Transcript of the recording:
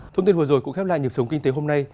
thông tin vừa rồi cũng khép lại nhập sống kinh tế hôm nay